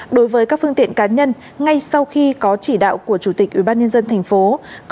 đối với các phương tiện cá nhân ngay sau khi có chỉ đạo của chủ tịch ubnd tp